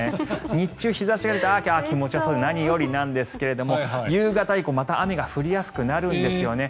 日中、日差しが出てああ、気持ちがよさそうで何よりなんですが夕方以降、また雨が降りやすくなるんですよね。